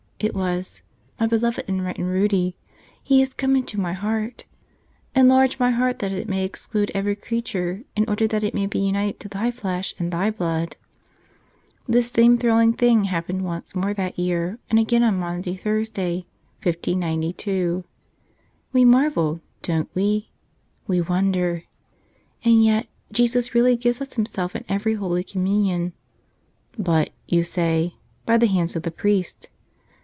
It was, ''My Beloved in white and ruddy! He is come into my heart ! Enlarge my heart that it may exclude every creature in order that it may be united to Thy Flesh and Thy Blood !" This same thrilling thing happened once more that year and again on Maundy Thursday, 1592. We marvel, don't we? We wonder! And yet, Jesus really gives us Himself in every Holy Communion. "But," you say, "by the hands of the priest."